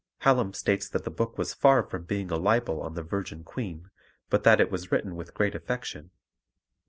Hallam states that the book was far from being a libel on the Virgin Queen, but that it was written with great affection.